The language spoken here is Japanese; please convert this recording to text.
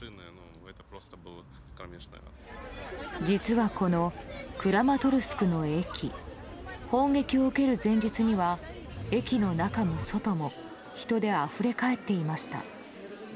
実は、このクラマトルスクの駅砲撃を受ける前日には駅の中も外も人であふれ返っていました。